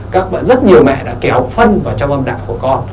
các bạn rất nhiều mẹ đã kéo phân vào trong âm đạo của con